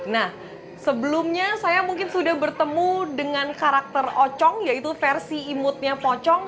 nah sebelumnya saya mungkin sudah bertemu dengan karakter ocong yaitu versi imutnya pocong